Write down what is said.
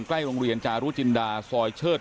ใกล้โรงเรียนจารุจินดาซอยเชิด